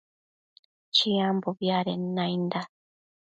Chiambobi adenda nainda